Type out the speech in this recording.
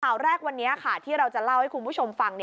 ข่าวแรกวันนี้ค่ะที่เราจะเล่าให้คุณผู้ชมฟัง